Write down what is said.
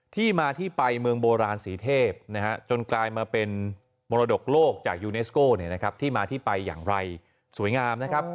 ที่มาที่ไปเมืองโบราณสีเทพนะฮะจนกลายมาเป็นมรดกโลกจากยูเนสโก้ที่มาที่ไปอย่างไรสวยงามนะครับ